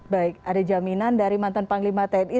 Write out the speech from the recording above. baik ada jaminan dari mantan panglima tni